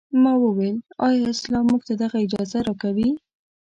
ما وویل ایا اسلام موږ ته دغه اجازه راکوي.